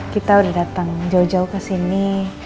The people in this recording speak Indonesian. kita udah datang jauh jauh ke sini